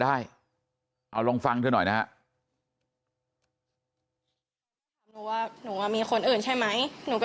ได้เอาลงฟังด้วยหน่อยนะว่าหนูว่ามีคนอื่นใช่ไหมหนูก็